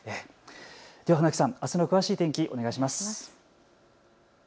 では船木さん、あすの詳しい天気お願いします。